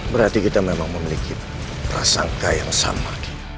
berarti kita memang memiliki prasangka yang sama